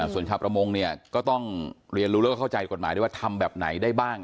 ส่วนชาวประมงเนี่ยก็ต้องเรียนรู้แล้วก็เข้าใจกฎหมายด้วยว่าทำแบบไหนได้บ้าง